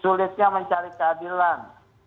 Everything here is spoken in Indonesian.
sulitnya mencari keadilan